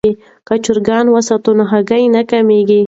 که چرګان وساتو نو هګۍ نه کمیږي.